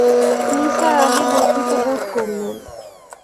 নিসার আলি লজ্জিত বোধ করলেন।